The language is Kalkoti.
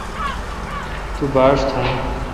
تو باݭ تھون